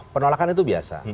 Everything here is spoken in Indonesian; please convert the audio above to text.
penolakan itu biasa